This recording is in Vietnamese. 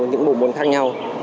những bộ môn khác nhau